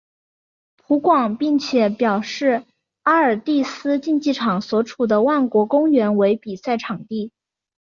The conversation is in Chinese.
葡广并且表示阿尔蒂斯竞技场所处的万国公园为比赛场地。